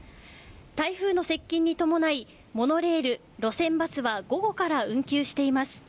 台風の接近に伴いモノレール、路線バスは午後から運休しています。